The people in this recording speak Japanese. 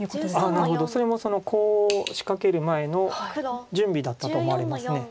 なるほどそれもそのコウを仕掛ける前の準備だったと思われます。